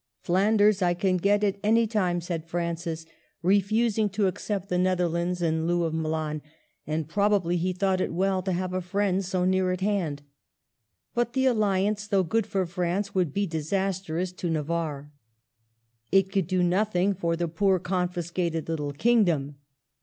'' Flanders I can get at any A FALSE STEP. l8l time," said Francis, refusing to accept the Neth erlands in heu of Milan ; and probably he thought it well to have a friend so near at hand. But the alliance, though good for France, would be disastrous to Navarre, It could do nothing for the poor confiscated little kingdom.